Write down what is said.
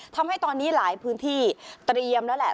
ทำให้ตอนนี้หลายพื้นที่เตรียมแล้วแหละ